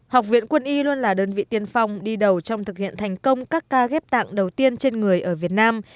học viện quân y luôn là đơn vị tiên phong đi đầu trong thực hiện thành công các ca ghép tạng đầu tiên trên người ở việt nam